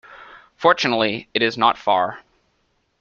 Fortunately it is not far.